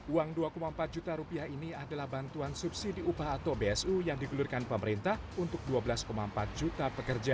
uang rp dua empat ratus ini adalah bantuan subsidi upah atau bsu yang digelurkan pemerintah untuk rp dua belas empat ratus